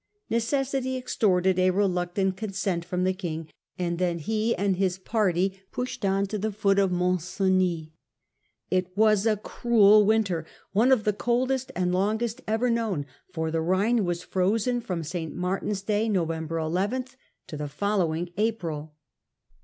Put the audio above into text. Necessity ex torted a reluctant consent from the king ; and then he and his party pushed on to the foot of Mont Genis. It was a cruel winter—one of the coldest and longest ever kno^^, for the Ehine was frozen from St. Martin's Day (November 11) to the following April.